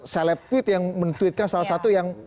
selep tweet yang men tweetkan salah satu yang